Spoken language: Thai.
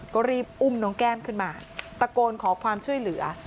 ก็รีบอุ้มน้องแก้มขึ้นมาตะโกนขอความช่วยเหลือ